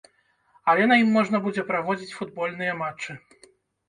Але на ім можна будзе праводзіць футбольныя матчы.